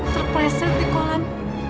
terpreset di kolam